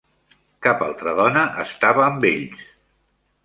Cap altra dona estava amb ells.